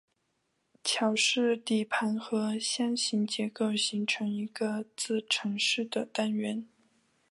桥式底盘和箱形结构形成一个自承式的单元。